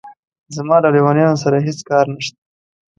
زما له لېونیانو سره هېڅ کار نشته.